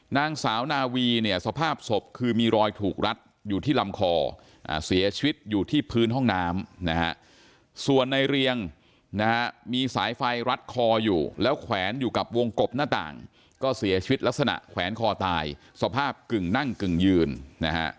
นางสาวนาวีเนี่ยสภาพศพคือมีรอยถูกรัดอยู่ที่ลำคอเสียชีวิตอยู่ที่พื้นห้องน้ำนะฮะส่วนในเรียงนะฮะมีสายไฟรัดคออยู่แล้วแขวนอยู่กับวงกบหน้าต่างก็เสียชีวิตลักษณะแขวนคอตายสภาพกึ่งนั่งกึ่งยืนนะฮะ